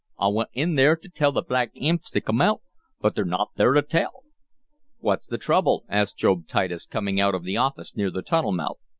I wint in there to tell th' black imps t' come out, but they're not there to tell!" "What's the trouble?" asked Job Titus, coming out of the office near the tunnel mouth.